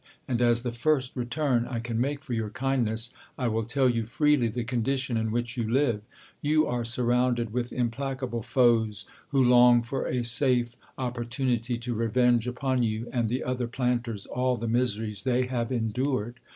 And as the first return I can make for your kindness, I will tell you freely the condition in which you live. You ai*e surrounded with implacable foes, who long for a safe opportunity to revenge upon you and the other planters all the miseries they have endured.